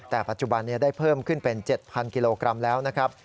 แต่ปัจจุบันนี้ได้เพิ่มขึ้นเป็น๗๐๐กิโลกรัมแล้วนะครับ